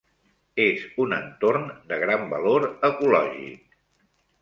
És un entorn de gran valor ecològic.